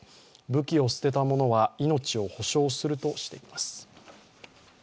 武器を捨てた者は、命を保証するとしています。